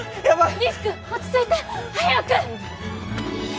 仁志君落ち着いて早く！